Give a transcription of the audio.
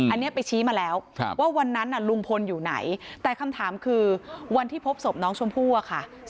อันนี้ไปชี้มาแล้วว่าวันนั้นลุงพลอยู่ไหนแต่คำถามคือวันที่พบศพน้องชมพู่อะค่ะ